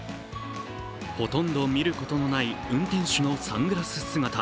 ほとんど見ることのない運転手のサングラス姿。